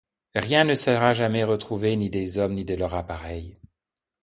Rien ne sera jamais retrouvé ni des hommes, ni de leur appareil.